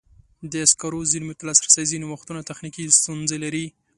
د سکرو زېرمو ته لاسرسی ځینې وختونه تخنیکي ستونزې لري.